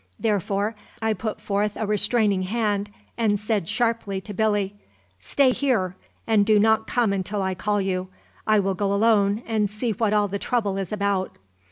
Therefore I put forth a restraining hand and said sharply to Billy: "Stay here, and do not come until I call you. I will go alone and see what all the trouble is about."